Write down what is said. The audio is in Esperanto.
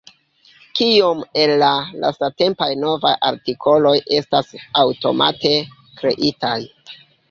Kiom el la lastatempaj novaj artikoloj estas aŭtomate kreitaj?